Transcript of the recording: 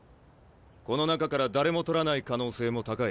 この中から誰も獲らない可能性も高い。